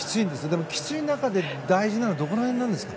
でも、きつい中で大事なのはどこら辺なんですか？